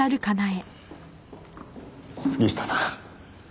杉下さん。